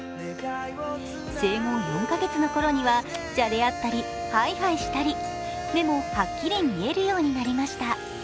生後４カ月のころにはじゃれ合ったりハイハイしたり、目もはっきり見えるようになりました。